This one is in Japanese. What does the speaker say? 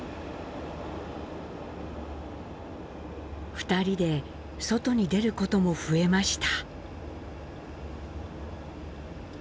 ２人で外に出ることも増えました。